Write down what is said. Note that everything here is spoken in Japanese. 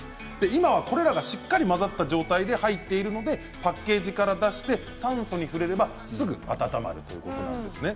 今はこれらがしっかり混ざった状態で入っているのでパッケージから出して酸素に触れればすぐ温まるということなんですね。